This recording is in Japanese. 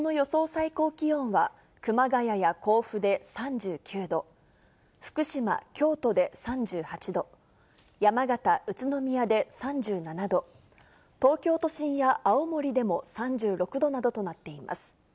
最高気温は、熊谷や甲府で３９度、福島、京都で３８度、山形、宇都宮で３７度、東京都心や青森でも３６度などとなっています。